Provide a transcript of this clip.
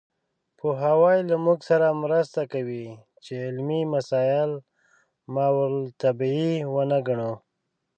پوهاوی له موږ سره مرسته کوي چې علمي مسایل ماورالطبیعي ونه ګڼو.